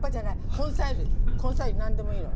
根菜類何でもいいの。